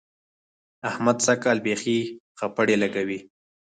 احمد سږ کال بېخي خپړې لګوي.